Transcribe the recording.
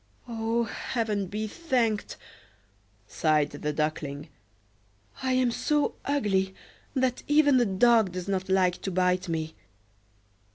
"O, Heaven be thanked!" sighed the Duckling. "I am so ugly, that even the dog does not like to bite me!"